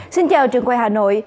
xin chào trường quay hà nội